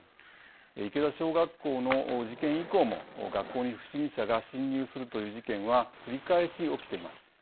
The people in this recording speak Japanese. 池田小学校の事件以降も学校に不審者が侵入するという事件は繰り返し起きています。